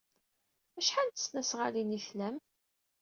Acḥal n tesnasɣalin ay tlam?